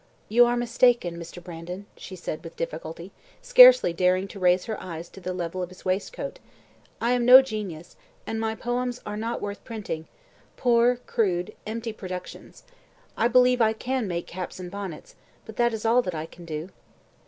"You are mistaken, Mr. Brandon," said she with difficulty, scarcely daring to raise her eyes to the level of his waistcoat; "I am no genius, and my poems are not worth printing poor, crude, empty productions. I believe I can make caps and bonnets, but that is all that I can do."